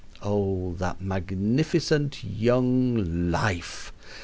Oh, that magnificent young LIFE!